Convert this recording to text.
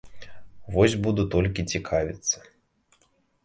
Вось буду толькі цікавіцца.